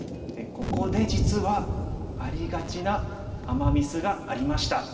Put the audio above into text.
ここで実はありがちなアマ・ミスがありました。